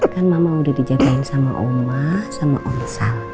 kan mama udah dijadikan sama omah sama om sal